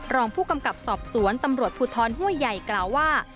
รองผู้กำกับสอบสวนตำรวจภูทรห้วยใหญ่กล่าวว่า